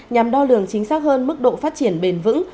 nhằm đo lường chính xác hơn mức độ phát triển bền vững